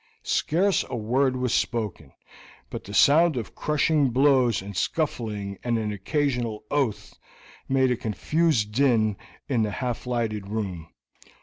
Scarce a word was spoken, but the sound of crushing blows and scuffling, and an occasional, oath, made a confused din in the half lighted room.